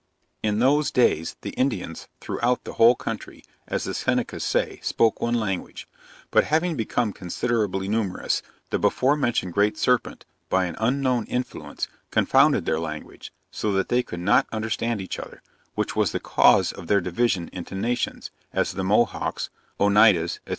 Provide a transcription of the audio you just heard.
In those days the Indians throughout the whole country, as the Senecas say, spoke one language; but having become considerably numerous, the before mentioned great serpent, by an unknown influence, confounded their language, so that they could not understand each other; which was the cause of their division into nations, as the Mohawks, Oneidas, &c.